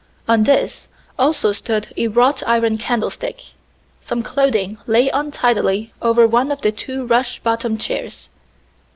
On this also stood a wrought iron candlestick. Some clothing lay untidily over one of the two rush bottomed chairs.